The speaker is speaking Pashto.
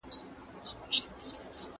تاسي باید له ځايي خلکو پوښتنه وکړئ.